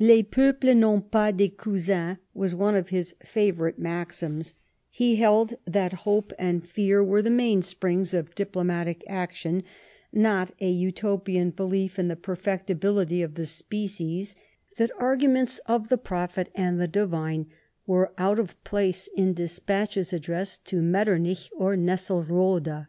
Les peuples n^ont BELGIAN INDEPENDENCE. 41 jpas des cousins^ was one of his faYourite maxims ; he held that hope and fear were the mainsprings of diplomatic action, not a Utopian belief in the perfectibility of the species, that arguments of the prophet and the divine were out of place in despatches addressed to Mettemich or Nesselrode.